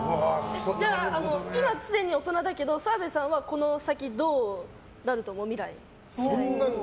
じゃあ、今すでに大人だけど澤部さんはこの先どうなると思う？